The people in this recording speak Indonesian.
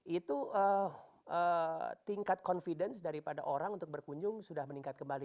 itu tingkat confidence daripada orang untuk berkunjung sudah meningkat kembali